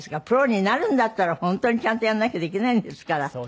プロになるんだったら本当にちゃんとやらなきゃできないんですから。